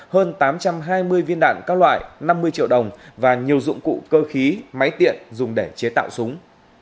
hơn tám trăm hai mươi viên đạn các loại năm mươi triệu đồng và nhiều dụng cụ cơ khí máy tiện dùng để chế tạo súng